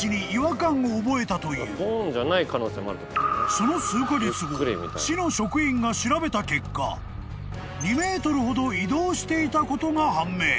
［その数カ月後市の職員が調べた結果２ｍほど移動していたことが判明］